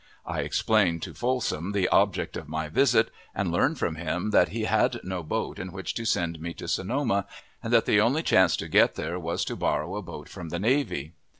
I explained to Folsom the object of my visit, and learned from him that he had no boat in which to send me to Sonoma, and that the only, chance to get there was to borrow a boat from the navy.